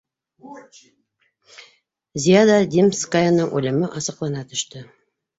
Зиада Димскаяның үлеме асыҡлана төштө